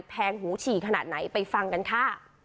แงหูฉี่ขนาดไหนไปฟังกันค่ะ